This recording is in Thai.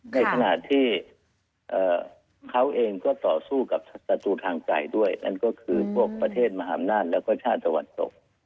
ในขณะที่เขาเองก็ต่อสู้กับศัตรูทางใจด้วยนั่นก็คือพวกประเทศมหาอำนาจแล้วก็ชาติตะวันตก